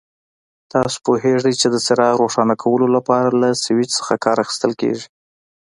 تاسو پوهیږئ چې د څراغ روښانه کولو لپاره له سوېچ څخه کار اخیستل کېږي.